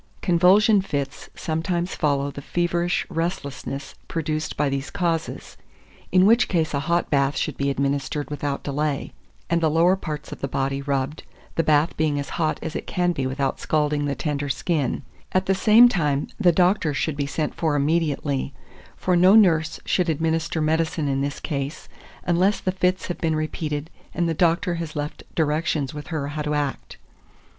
2406. Convulsion Fits sometimes follow the feverish restlessness produced by these causes; in which case a hot bath should be administered without delay, and the lower parts of the body rubbed, the bath being as hot as it can be without scalding the tender skin; at the same time, the doctor should be sent for immediately, for no nurse should administer medicine in this case, unless the fits have been repeated and the doctor has left directions with her how to act.